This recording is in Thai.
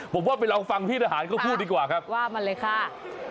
ผมว่าไปลองฟังพี่ทหารเขาพูดดีกว่าครับว่ามาเลยค่ะ